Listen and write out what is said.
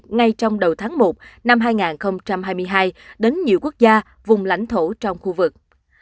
ngay trong đầu tháng một năm hai nghìn hai mươi hai đến nhiều quốc gia vùng lãnh thổ trong khu vực